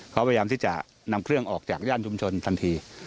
เขาพยายามที่จะนำเครื่องออกจากย่านชุมชนทันที